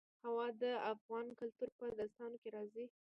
هوا د افغان کلتور په داستانونو کې راځي.